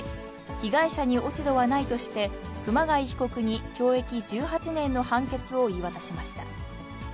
被害者に落ち度はないとして、熊谷被告に懲役１８年の判決を言い渡しました。